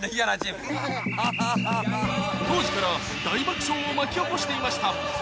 当時から大爆笑を巻き起こしていました